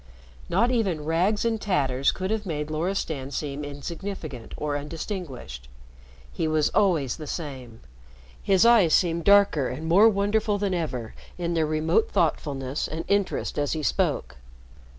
Not even rags and tatters could have made Loristan seem insignificant or undistinguished. He was always the same. His eyes seemed darker and more wonderful than ever in their remote thoughtfulness and interest as he spoke.